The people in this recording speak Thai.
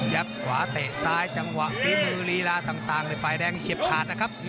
ขวาเตะซ้ายจังหวะฝีมือลีลาต่างฝ่ายแดงเฉียบขาดนะครับ